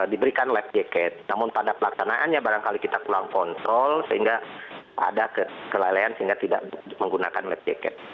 diberikan lab jacket namun pada pelaksanaannya barangkali kita pulang kontrol sehingga ada kelalaian sehingga tidak menggunakan lab jacket